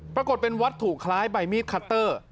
ปรากฏเป็นวัตถุคล้ายใบมีดคัตเตอร์